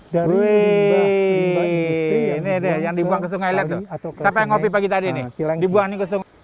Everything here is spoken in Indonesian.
dari limbah industri yang dibuang ke sungai cilengsi